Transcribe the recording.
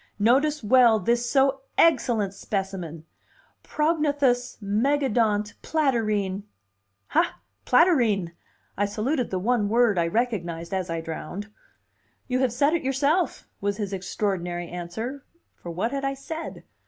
Notice well this so egcellent specimen. Prognathous, megadont, platyrrhine." "Ha! Platyrrhine!" I saluted the one word I recognized as I drowned. "You have said it yourself!" was his extraordinary answer; for what had I said?